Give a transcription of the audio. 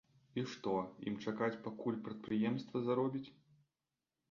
І што, ім чакаць пакуль прадпрыемства заробіць?